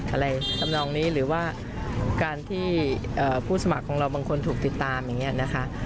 อะไรทำนองนี้หรือว่าการที่ผู้สมัครของเราบางคนถูกติดตามอย่างนี้นะคะ